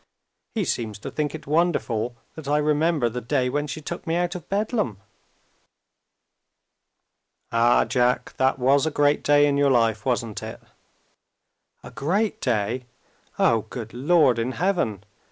He seems to think it wonderful that I remember the day when she took me out of Bedlam!" "Ah, Jack, that was a great day in your life, wasn't it?" "A great day? Oh, good Lord in Heaven!